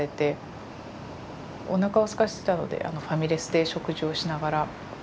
おなかをすかせてたのでファミレスで食事をしながら。